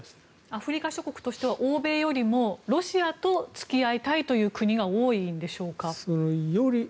アフリカ諸国としては欧米よりもロシアと付き合いたいという国が多いのでしょうか。